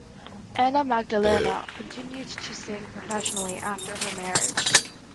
Anna Magdalena continued to sing professionally after her marriage.